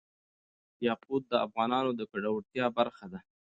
یاقوت د افغانانو د ګټورتیا برخه ده.